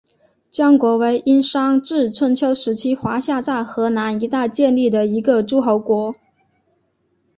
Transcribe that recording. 江国为殷商至春秋时期华夏在河南一带建立的一个诸侯国。